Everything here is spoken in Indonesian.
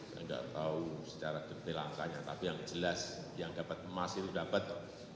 saya tidak tahu secara detail angkanya tapi yang jelas yang dapat emas itu dapat